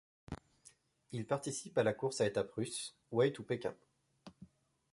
Il participe à la course à étapes russe, Way to Pekin.